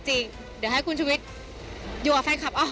เดี๋ยวให้คุณชุวิตอยู่กับแฟนคลับ